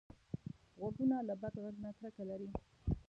غوږونه له بد غږ نه کرکه لري